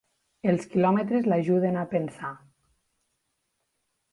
Els quilòmetres l'ajuden a pensar.